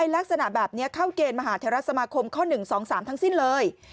ลักษณะแบบนี้เข้าเกณฑ์มหาเทราสมาคมข้อ๑๒๓ทั้งสิ้นเลย